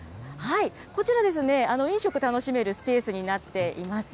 こちら、飲食、楽しめるスペースになっています。